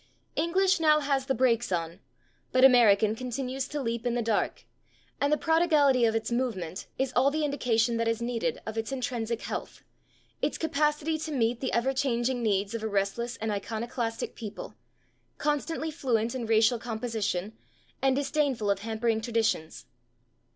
English now has the brakes on, but American continues to leap in the dark, and the prodigality of its movement is all the [Pg029] indication that is needed of its intrinsic health, its capacity to meet the ever changing needs of a restless and iconoclastic people, constantly fluent in racial composition, and disdainful of hampering traditions.